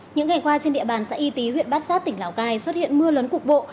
những ngày qua trên địa bàn xã y tý huyện bát sát tỉnh lào cai xuất hiện mưa lớn cục bộ